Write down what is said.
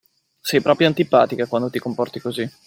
Sei proprio antipatica quando ti comporti così.